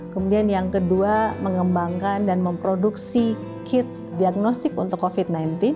kemudian yang kedua mengembangkan dan memproduksi kit diagnostik untuk covid sembilan belas